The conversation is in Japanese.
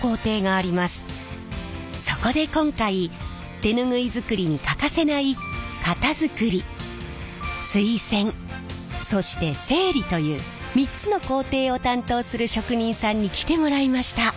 そこで今回手ぬぐい作りに欠かせない型作り水洗そして整理という３つの工程を担当する職人さんに来てもらいました。